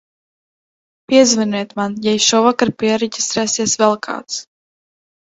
Piezvaniet man, ja šovakar piereģistrēsies vēl kāds.